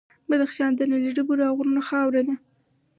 بدخشان د نیلي ډبرو او غرونو خاوره ده.